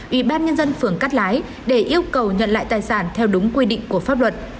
ủy ban nhân dân phường cát lái để yêu cầu nhận lại tài sản theo đúng quy định của pháp luật